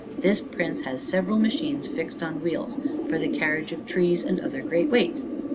This prince has several machines fixed on wheels, for the carriage of trees, and other great weights.